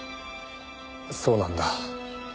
そうなんだ。